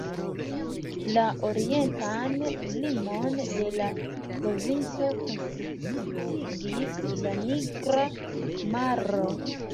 La orientan limon de la provinco konsistigis la Nigra Maro.